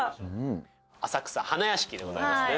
浅草花やしきでございますね。